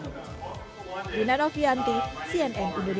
selamat datang di nenovianti cnn indonesia